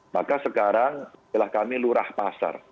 maka sekarang istilah kami lurah pasar